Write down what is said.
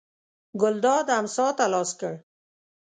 ګلداد امسا ته لاس کړ.